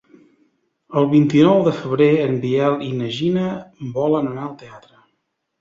El vint-i-nou de febrer en Biel i na Gina volen anar al teatre.